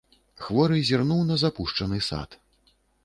Хворы зірнуў на запушчаны сад.